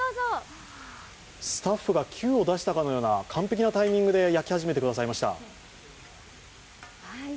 スタッフがキューを出したかのような、完璧なタイミングで焼き始めてくださいました。